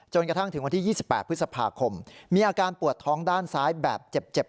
กระทั่งถึงวันที่๒๘พฤษภาคมมีอาการปวดท้องด้านซ้ายแบบเจ็บ